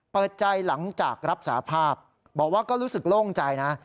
เปิดใจหลังจากรับสาภาพบอกว่าก็รู้สึกโล่งใจนะ